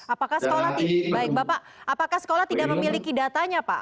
apakah sekolah tidak memiliki datanya pak